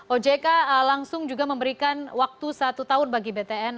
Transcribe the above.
ojk langsung juga memberikan waktu satu tahun bagi btn